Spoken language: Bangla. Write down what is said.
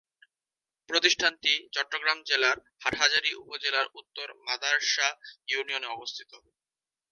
প্রতিষ্ঠানটি চট্টগ্রাম জেলার হাটহাজারী উপজেলার উত্তর মাদার্শা ইউনিয়নে অবস্থিত।